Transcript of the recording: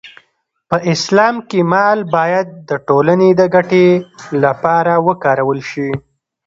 په اسلام کې مال باید د ټولنې د ګټې لپاره وکارول شي.